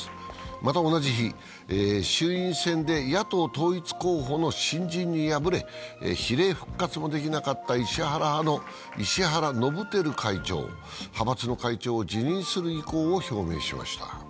また同じ日、衆院選で野党統一候補の新人に敗れ比例復活もできなかった石原派の石原伸晃会長、派閥の会長を辞任する意向を表明しました。